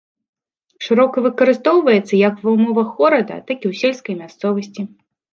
Шырока выкарыстоўваецца як ва ўмовах горада, так і ў сельскай мясцовасці.